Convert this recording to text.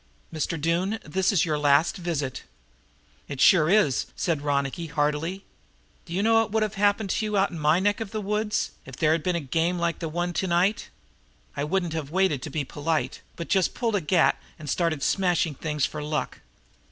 Mr. Doone, this is your last visit." "It sure is," said Ronicky heartily. "D'you know what would have happened out in my neck of the woods, if there had been a game like the one tonight? I wouldn't have waited to be polite, but just pulled a gat and started smashing things for luck."